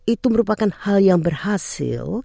itu merupakan hal yang berhasil